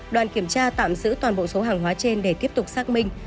đoàn kiểm tra tạm giữ toàn bộ số hàng hóa trên để tiếp tục xác minh